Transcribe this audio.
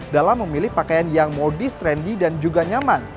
dalam memilih pakaian yang modis trendy dan juga nyaman